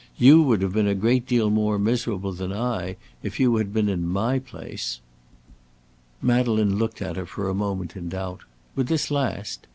You would have been a great deal more miserable than I if you had been in my place." Madeleine looked at her for a moment in doubt. Would this last?